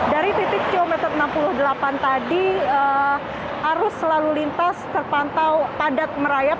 dari titik kilometer enam puluh delapan tadi arus lalu lintas terpantau padat merayap